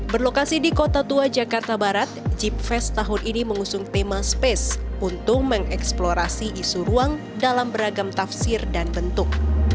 berlokasi di kota tua jakarta barat jipfest tahun ini mengusung tema space untuk mengeksplorasi isu ruang dalam beragam tafsir dan bentuk